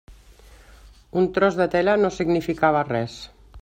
Un tros de tela no significava res.